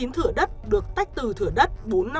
hai mươi chín thửa đất được tách từ thửa đất